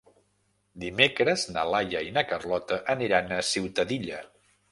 Dimecres na Laia i na Carlota aniran a Ciutadilla.